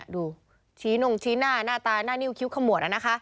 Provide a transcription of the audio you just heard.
ดูฉีนุ่งฉีนหน้าหน้าตาหน้านิ้วขิ๊บขมวด